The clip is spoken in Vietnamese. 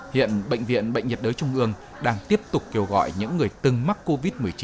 hiện bệnh viện bệnh nhiệt đới trung ương đang tiếp tục kêu gọi những người từng mắc covid một mươi chín